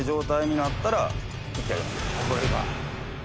これが。